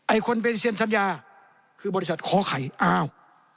ไอ้คนเป็นเสียงสัญญาคือบริษัทขอไข่อ้าว